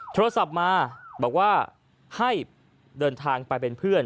โทรศัพท์มาบอกว่าให้เดินทางไปเป็นเพื่อน